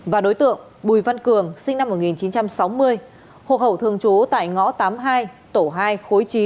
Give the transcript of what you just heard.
và đối tượng bùi văn cường sinh năm một nghìn chín trăm sáu mươi hộ khẩu thường trú tại ngõ tám mươi hai tổ hai khối chín